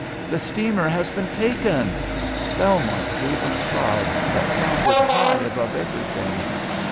"The steamer has been taken!" Belmont gave a cry that sounded high above everything.